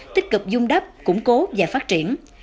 tích cực dung đắp củng cố và phát triển